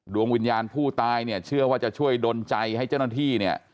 ดวงวิญญาณผู้ตายเนี่ยเชื่อว่าจะช่วยดนใจให้เจ้าหน้าที่เนี่ย